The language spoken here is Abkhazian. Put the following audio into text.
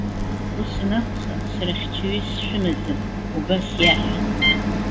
Ус анакәха, сара хьчаҩыс сшәымаӡам,- убас иаҳәа.